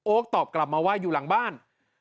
ตอบกลับมาว่าอยู่หลังบ้าน